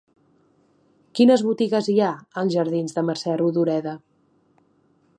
Quines botigues hi ha als jardins de Mercè Rodoreda?